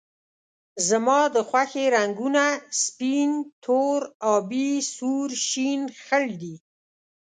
زما د خوښې رنګونه سپین، تور، آبي ، سور، شین ، خړ دي